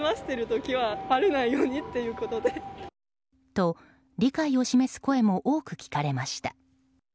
と、理解を示す声も多く聞かれました。